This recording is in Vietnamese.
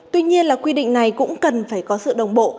tuy nhiên là quy định này cũng cần phải có sự đồng bộ